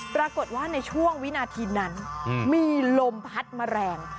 ปรากฏว่าในช่วงวินาทีนั้นมีลมพัดมาแรง